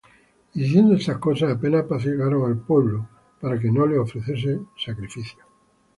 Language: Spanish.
Y diciendo estas cosas, apenas apaciguaron el pueblo, para que no les ofreciesen sacrificio.